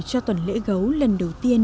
cho tuần lễ gấu lần đầu tiên